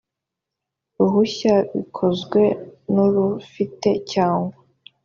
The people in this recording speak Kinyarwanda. ruhushya bikozwe n urufite cyangwa